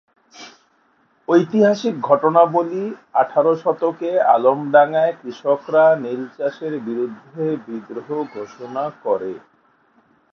ঐতিহাসিক ঘটনাবলি আঠারো শতকে আলমডাঙ্গায় কৃষকরা নীলচাষের বিরুদ্ধে বিদ্রোহ ঘোষণা করে।